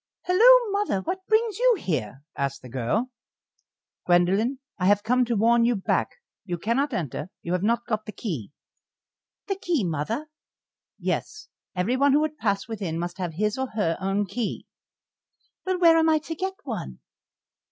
"Halloo, mother, what brings you here?" asked the girl. "Gwendoline, I have come to warn you back. You cannot enter; you have not got the key." "The key, mother?" "Yes, everyone who would pass within must have his or her own key." "Well, where am I to get one?"